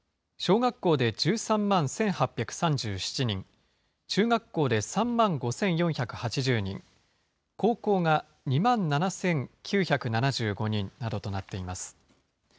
小学校で１３万１８３７人、中学校で３万５４８０人、高校が２万７９７５人などとなっています。